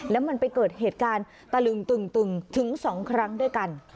แล้วมันไปเกิดเหตุการณ์ตะลึงตึงถึง๒ครั้งด้วยกัน